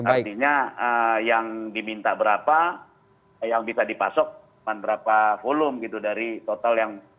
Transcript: artinya yang diminta berapa yang bisa dipasok berapa volume gitu dari total yang